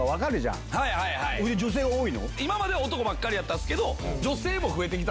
今までは男ばっかりやったんすけど。